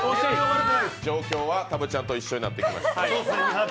状況はたぶっちゃんと一緒になってきました。